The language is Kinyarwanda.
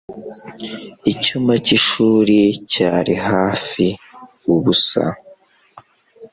Icyumba cyishuri cyari hafi ubusa